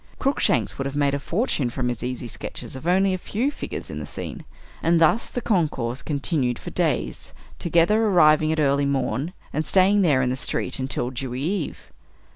Cruikshanks would have made a fortune from his easy sketches of only a few figures in the scene. And thus the concourse continued for days together, arriving at early morn and staying there in the street until "dewy eve."